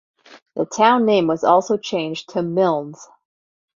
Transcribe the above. The town name was also changed to Milnes.